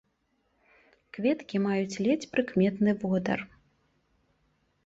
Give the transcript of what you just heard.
Кветкі маюць ледзь прыкметны водар.